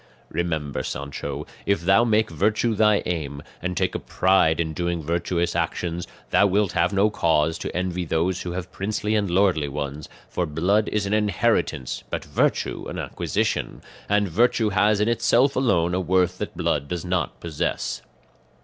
"Remember, Sancho, if thou make virtue thy aim, and take a pride in doing virtuous actions, thou wilt have no cause to envy those who have princely and lordly ones, for blood is an inheritance, but virtue an acquisition, and virtue has in itself alone a worth that blood does not possess.